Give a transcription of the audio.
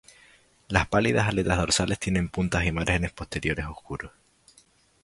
Las pálidas aletas dorsales tienen puntas y márgenes posteriores oscuros.